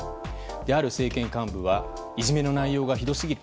ある政権幹部はいじめの内容がひどすぎる。